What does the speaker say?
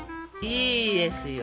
いいですよ。